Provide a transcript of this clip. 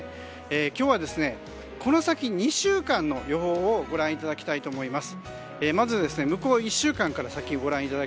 今日はこの先２週間の予報をご覧いただきたいと思います。